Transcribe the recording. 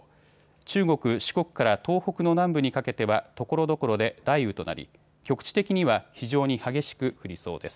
中国、四国から東北の南部にかけてはところどころで雷雨となり局地的には非常に激しく降りそうです。